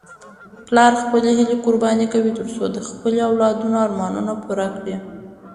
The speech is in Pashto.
پلار خپلې هیلې قرباني کوي ترڅو د خپلو اولادونو ارمانونه پوره کړي.